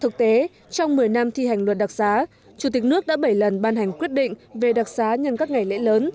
thực tế trong một mươi năm thi hành luật đặc xá chủ tịch nước đã bảy lần ban hành quyết định về đặc xá nhân các ngày lễ lớn